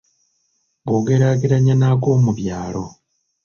Bw’ogeraageranya n’ag’omu byalo.